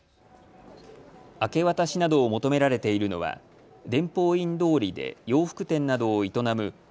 明け渡しなどを求められているのは伝法院通りで洋服店などを営む